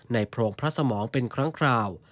โพรงพระสมองเป็นครั้งคราว